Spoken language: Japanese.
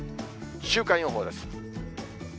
週間予報です。